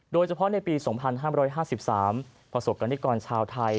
โดยเฉพาะในปี๒๕๕๓ประสบกรณิกรชาวไทย